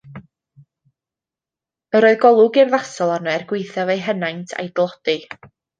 Yr oedd golwg urddasol arno, er gwaethaf ei henaint a'i dlodi.